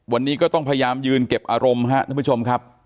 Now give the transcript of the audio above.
วันนี้ก็ต้องพยายามยืนเก็บอารมณ์ครับท่านผู้ชมครับ